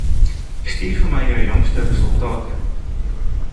Stuur vir my jou jongste resultate.